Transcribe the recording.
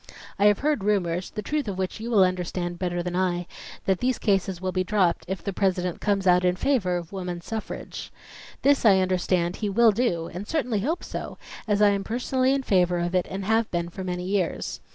I have heard rumors, the truth of which you will understand better than I, that these cases will be dropped if the President comes out in favor of woman suffrage. This, I understand, he will do and certainly hope so, as I am personally in favor of it and have been for many years.